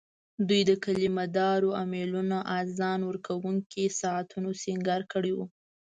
دوی د کلیمه دارو امېلونو، اذان ورکوونکو ساعتو سینګار کړي وو.